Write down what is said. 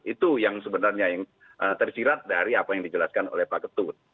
itu yang sebenarnya yang tersirat dari apa yang dijelaskan oleh pak ketut